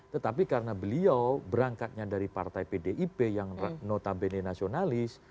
tetapi karena beliau berangkatnya dari partai pdip yang notabene nasionalis